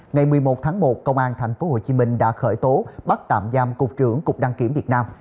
ngày một mươi một tháng một công an tp hcm đã khởi tố bắt tạm giam cục trưởng cục đăng kiểm việt nam